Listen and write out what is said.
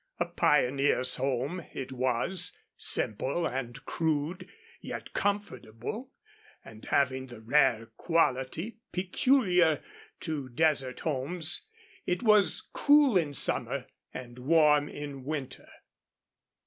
A pioneer's home it was, simple and crude, yet comfortable, and having the rare quality peculiar to desert homes it was cool in summer and warm in winter.